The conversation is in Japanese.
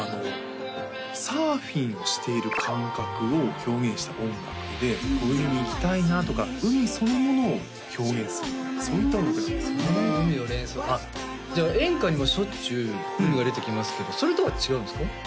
サーフィンをしている感覚を表現した音楽で海に行きたいなとか海そのものを表現するようなそういった音楽なんですよねああ海を連想あっじゃあ演歌にもしょっちゅう「海」が出てきますけどそれとは違うんですか？